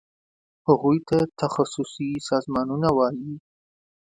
هغوی ته تخصصي سازمانونه وایي.